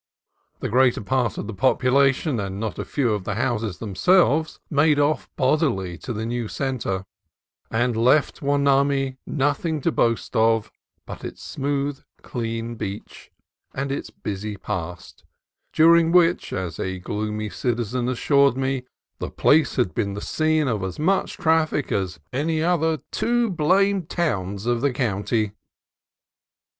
The greater part of the population and not a few of the houses themselves made off bodily to the new cen tre, and left Hueneme nothing to boast of but its smooth, clean beach and its busy past, during which (as a gloomy citizen assured me) the place had been the scene of as much traffic as "any other two blamed towns of the county."